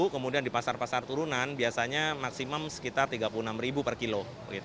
kemudian di pasar pasar turunan biasanya maksimum sekitar rp tiga puluh enam per kilo